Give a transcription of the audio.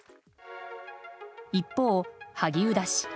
一方、萩生田氏